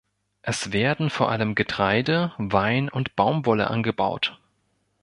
Es werden vor allem Getreide, Wein und Baumwolle angebaut.